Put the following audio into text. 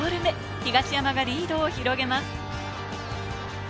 東山がリードを広げます。